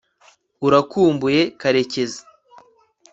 urakumbuye karekezi